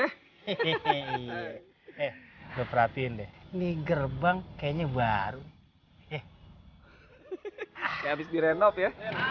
hehehe eh berarti ini gerbang kayaknya baru ya habis direnop ya